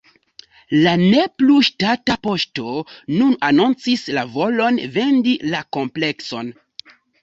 La ne plu ŝtata poŝto nun anoncis la volon vendi la komplekson.